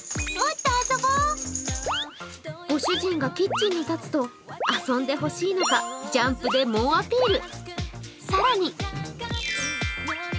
ご主人がキッチンに立つと遊んでほしいのかジャンプで猛アピール。